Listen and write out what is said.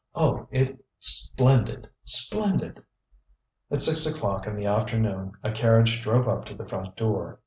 Oh! ItŌĆÖs splendid, splendid! ŌĆØ At six oŌĆÖclock in the afternoon a carriage drove up to the front door.